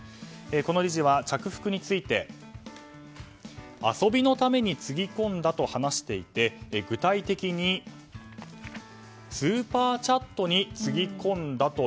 この理事は、着服について遊びのためにつぎ込んだと話していて具体的にスーパーチャットにつぎ込んだと